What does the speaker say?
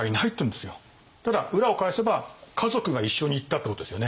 ただ裏を返せば家族が一緒に行ったってことですよね。